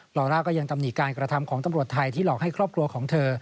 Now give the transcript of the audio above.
ลอร่าก็ยังตำหนิการกระทำของตำรวจไทยที่หลอกให้ครอบครัวของเธอ